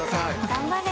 頑張れ。